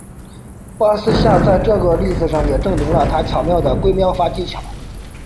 巴斯夏在这个例子上也证明了他巧妙的归谬法技巧。